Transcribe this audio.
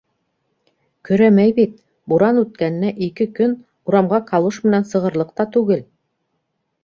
- Көрәмәй бит, буран үткәненә ике көн, урамға калуш менән сығырлыҡ та түгел.